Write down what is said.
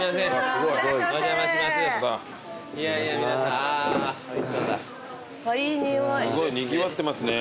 すごいにぎわってますね。